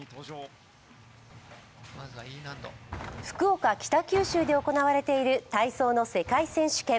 福岡県北九州で行われている体操の世界選手権。